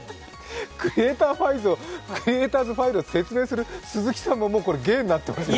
クリエイターズ・ファイルを説明する鈴木さんも芸になってますよね。